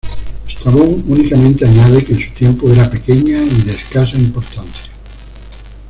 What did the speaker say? Estrabón únicamente añade que en su tiempo era pequeña y de escasa importancia.